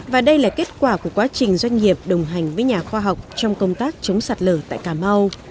và đây là kết quả của quá trình doanh nghiệp đồng hành với nhà khoa học trong công tác chống sạt lở tại cà mau